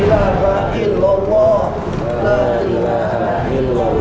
masukin untuk paham lagi